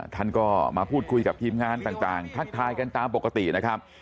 ท่านก็มาพูดคุยกับทีมงานต่างทักทายกันตามปกตินะครับ